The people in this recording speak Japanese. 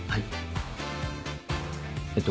えっと